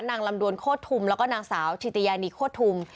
นางลำดวลโคตรทุ่มแล้วนางสาวชิติญานิโคตรทุ่ม